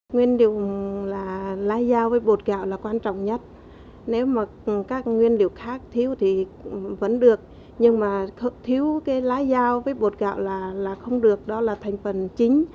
nguyên điều là lá dao với bột gạo là quan trọng nhất nếu mà các nguyên liệu khác thiếu thì vẫn được nhưng mà thiếu cái lá dao với bột gạo là không được đó là thành phần chính